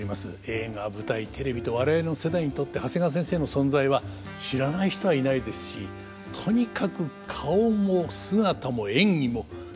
映画舞台テレビと我々の世代にとって長谷川先生の存在は知らない人はいないですしとにかく顔も姿も演技もどれも超一流でございました。